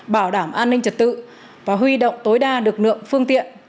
bảo đảm an ninh trật tự và huy động tối đa lực lượng phương tiện